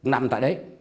nằm tại đấy